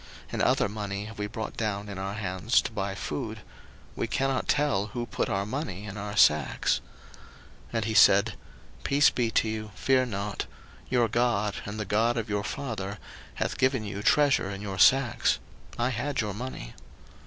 01:043:022 And other money have we brought down in our hands to buy food: we cannot tell who put our money in our sacks. 01:043:023 And he said, Peace be to you, fear not: your God, and the God of your father, hath given you treasure in your sacks: I had your money.